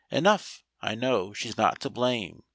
Enough, I know she's not to blame.